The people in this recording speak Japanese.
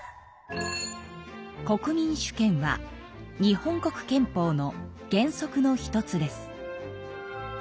国民主権は日本国憲法の原則の１つです。